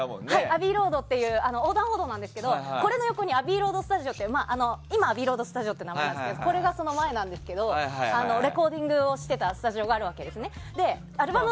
ＡｂｂｅｙＲｏａｄっていう横断歩道なんですけどこれの横にアビー・ロード・スタジオって今アビー・ロード・スタジオって名前なんですけどこれが、その前なんですけどレコーディングをしていたスタジオがあるわけですよね。